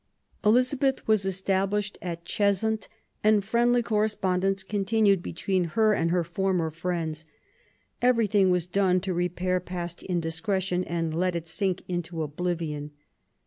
Elizabeth was established at Cheshunt, and friendly THE YOUTH OF ELIZABETH, ii correspondence continued between her and her former friends. Everything was done to repair past indiscretion and let it sink into oblivion.